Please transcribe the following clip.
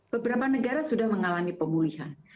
beberapa negara sudah mengalami pemulihan